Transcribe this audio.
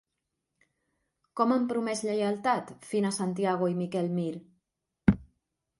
Com han promès lleialtat Fina Santiago i Miquel Mir?